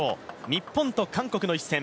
日本と韓国の一戦。